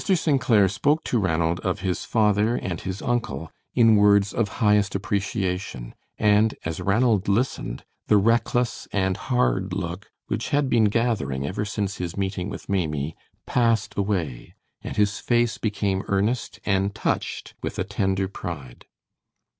St. Clair spoke to Ranald of his father and his uncle in words of highest appreciation, and as Ranald listened, the reckless and hard look which had been gathering ever since his meeting with Maimie passed away, and his face became earnest and touched with a tender pride.